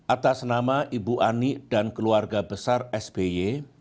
atas nama ibu ani dan keluarga besar sby